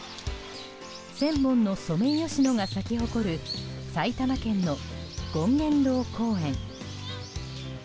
１０００本のソメイヨシノが咲き誇る埼玉県の権現堂公園。